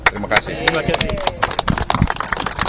terima kasih adapted terima kasih